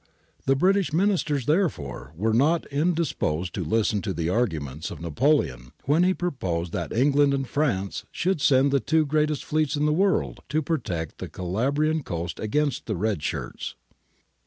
The British Ministers, therefore, were not indis posed to listen to the arguments of Napoleon when he proposed that England and France should send the two greatest fleets in the world to protect the Calabrian coast against the red shirts.